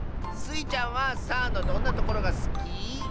スイちゃんは「さあ！」のどんなところがすき？